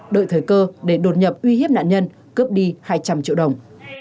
đợi thời cơ để đột nhập uy hiếp nạn nhân cướp đi hai trăm linh triệu đồng